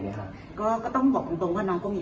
เนี้ยค่ะก็ก็ต้องบอกตรงตรงว่าน้องก็มี